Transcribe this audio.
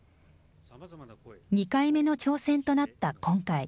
２回目の挑戦となった今回。